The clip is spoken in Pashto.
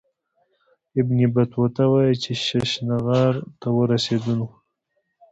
ابن بطوطه وايي چې ششنغار ته ورسېدلو.